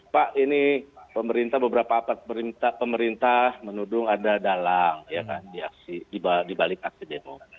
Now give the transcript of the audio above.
pak ini beberapa apat pemerintah menuduh ada dalang dibalik aksi demo